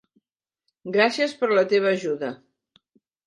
Gràcies per la teva ajuda.